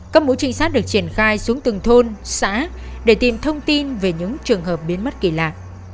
các mũi trinh sát được triển khai xuống từng thôn xã để tìm thông tin về những trường hợp biến mất kỳ lạ